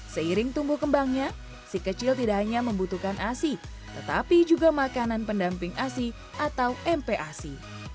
seiring tumbuh kembangnya si kecil tidak hanya membutuhkan asi tetapi juga makanan pendamping asi atau mpac